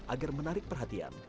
agar menarik perhatian